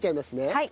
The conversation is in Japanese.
はい。